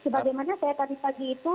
sebagaimana saya tadi pagi itu